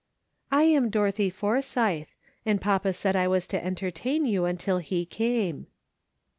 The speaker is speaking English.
" I am Dorothy Forsythe, and papa said I was to en tertain you until he came."